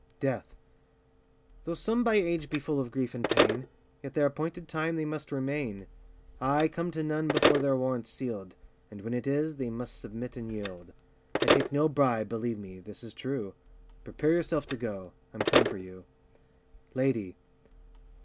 DEATH. Though some by age be full of grief and pain, Yet their appointed time they must remain: I come to none before their warrant's sealed, And when it is, they must submit and yield. I take no bribe, believe me, this is true; Prepare yourself to go; I'm come for you. LADY.